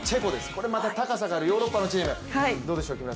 これまた高さがあるヨーロッパのチーム、どうでしょう。